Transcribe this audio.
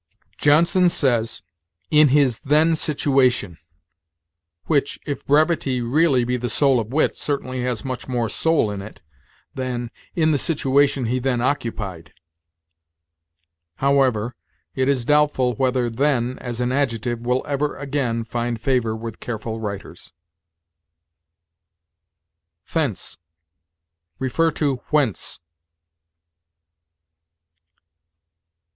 Johnson says, "In his then situation," which, if brevity be really the soul of wit, certainly has much more soul in it than "In the situation he then occupied." However, it is doubtful whether then, as an adjective, will ever again find favor with careful writers. THENCE. See WHENCE.